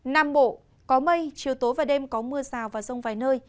nam bộ có mây chiều tối và đêm có mưa rào và rông vài nơi